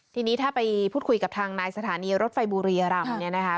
ทีนี้ถ้าไปพูดคุยกับทางนายสถานีรถไฟบูรีอร่ำ